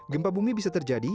gempa bumi bisa terjadi